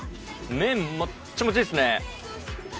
麺もっちもちですね。